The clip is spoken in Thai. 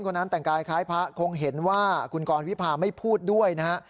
คนนั้นแต่งกายคล้ายพระคงเห็นว่าคุณกรวิพาไม่พูดด้วยนะฮะ